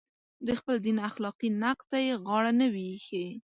د خپل دین اخلاقي نقد ته یې غاړه نه وي ایښې.